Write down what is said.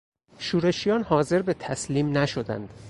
شورشیان حاضر به تسلیم نشدند.